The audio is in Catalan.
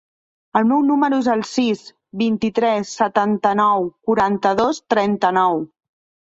El meu número es el sis, vint-i-tres, setanta-nou, quaranta-dos, trenta-nou.